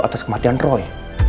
atas kematian roy